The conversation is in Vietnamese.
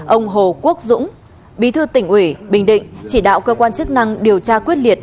ông hồ quốc dũng bí thư tỉnh ủy bình định chỉ đạo cơ quan chức năng điều tra quyết liệt